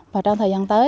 và trong thời gian tới